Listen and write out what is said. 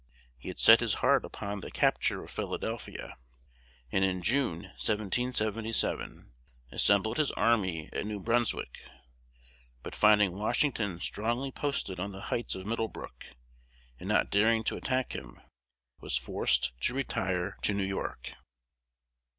He had set his heart upon the capture of Philadelphia, and in June, 1777, assembled his army at New Brunswick, but finding Washington strongly posted on the Heights of Middlebrook and not daring to attack him, was forced to retire to New York.